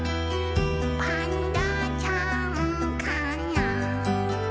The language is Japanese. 「パンダちゃんかな？」